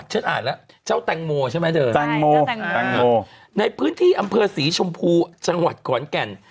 ฉันอ่านละเจ้าแตงโมใช่ในพื้นที่อำเภอสีชมพูจังหวัดกวรคั่น